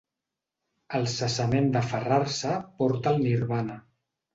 El cessament d'aferrar-se porta al Nirvana.